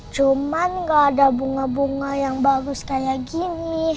cuman gak ada bunga bunga yang bagus kayak gini